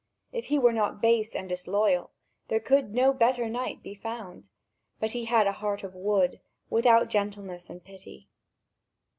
If he were not base and disloyal, there could no better knight be found; but he had a heart of wood, without gentleness and pity.